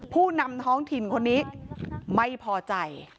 ผู้นำท้องถิ่นคนนี้ไม่พอใจ